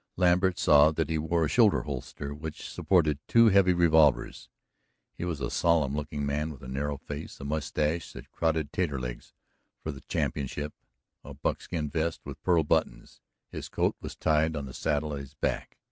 Lambert saw that he wore a shoulder holster which supported two heavy revolvers. He was a solemn looking man with a narrow face, a mustache that crowded Taterleg's for the championship, a buckskin vest with pearl buttons. His coat was tied on the saddle at his back.